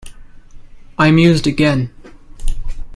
I mused again.